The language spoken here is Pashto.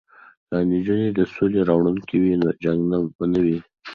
که نجونې د سولې راوړونکې وي نو جنګ به نه وي.